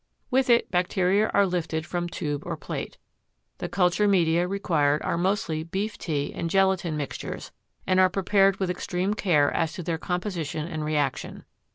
With it bacteria are lifted from tube or plate. The culture media required are mostly beef tea and gelatine mixtures and are prepared with extreme care as to their composition and reaction.